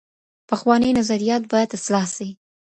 پخواني نظریات باید اصلاح سي.